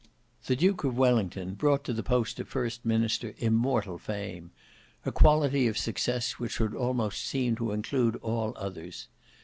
The DUKE OF WELLINGTON brought to the post of first minister immortal fame; a quality of success which would almost seem to include all others.